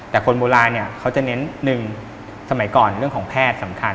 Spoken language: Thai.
แต่คนโบราณเนี่ยเขาจะเน้น๑สมัยก่อนเรื่องของแพทย์สำคัญ